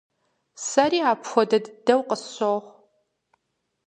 Сэри апхуэдэ дыду къысщохъу.